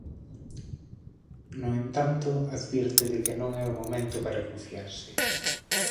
No entanto, advirte de que non é o momento para confiarse.